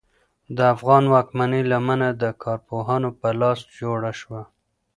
د افغان واکمنۍ لمنه د کارپوهانو په لاس جوړه شوه.